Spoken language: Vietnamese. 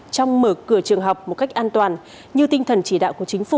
trong mở cửa trường học một cách an toàn như tinh thần chỉ đạo của chính phủ